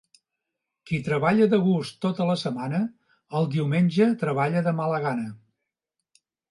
Qui treballa de gust tota la setmana, el diumenge treballa de mala gana.